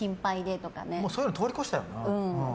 そういうの通り越したよね。